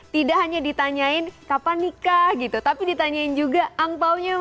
tidak hanya ditanyain kapan nikah gitu tapi ditanyain juga angpaunya mana gitu